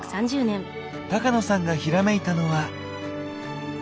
高野さんがひらめいたのは。